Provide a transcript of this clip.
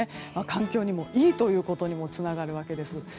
環境にもいいということにもつながるわけです。